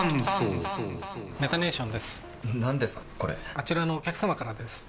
あちらのお客様からです。